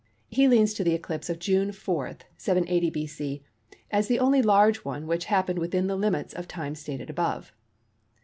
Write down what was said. He leans to the eclipse of June 4, 780 B.C. as the only large one which happened within the limits of time stated above.